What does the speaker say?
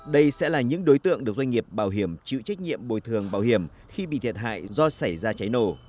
đây sẽ là những đối tượng được doanh nghiệp bảo hiểm chịu trách nhiệm bồi thường bảo hiểm khi bị thiệt hại do xảy ra cháy nổ